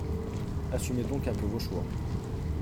Assumez donc un peu vos choix